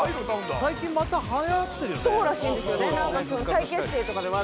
最近またはやってるよね